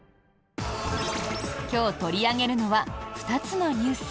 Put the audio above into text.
今日取り上げるのは２つのニュース。